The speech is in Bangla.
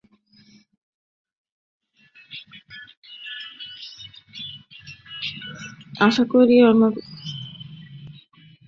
আশা করি আমাদের এটির প্রয়োজন নেই।